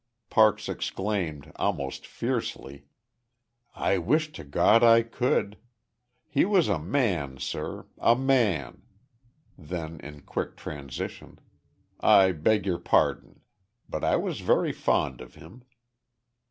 Parks exclaimed, almost fiercely: "I wish to God I could! He was a man, sir a man!" Then, in quick transition: "I beg your pardon. But I was very fond of him."